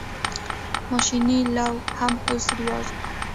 ماشیني لو هم اوس رواج دی.